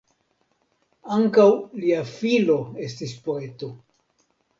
Ankaŭ lia filo estis poeto.